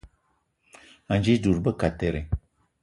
Anji dud be kateré